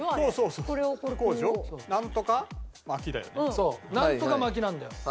そうなんとか巻なんだよ。